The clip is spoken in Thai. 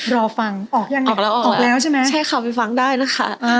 รอฟังออกยังออกแล้วออกแล้วใช่ไหมใช่ค่ะไปฟังได้นะคะ